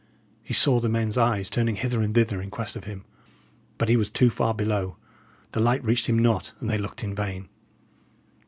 He saw the men's eyes turning hither and thither in quest of him; but he was too far below, the light reached him not, and they looked in vain.